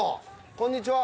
こんにちは。